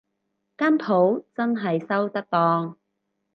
間舖真係收得檔